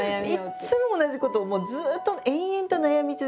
いつも同じことをもうずっと延々と悩み続けてるんですよ。